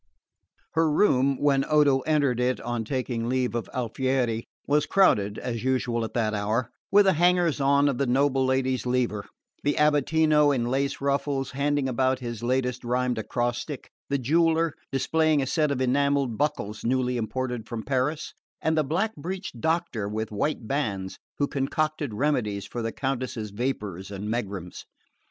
Her room, when Odo entered it on taking leave of Alfieri, was crowded, as usual at that hour, with the hangers on of the noble lady's lever: the abatino in lace ruffles, handing about his latest rhymed acrostic, the jeweller displaying a set of enamelled buckles newly imported from Paris, and the black breeched doctor with white bands who concocted remedies for the Countess's vapours and megrims.